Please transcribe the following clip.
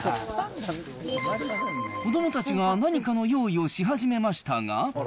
子どもたちが何かの用意をし始めましたが。